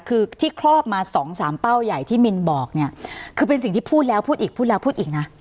คือที่ครอบมาสองสามเป้าใหญ่ที่มินบอกเนี่ยคือเป็นสิ่งที่พูดแล้วพูดอีกพูดแล้วพูดอีกนะ